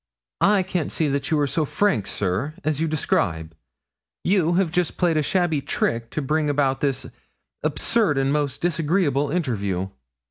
'I can't see that you are so frank, sir, as you describe; you have just played a shabby trick to bring about this absurd and most disagreeable interview.'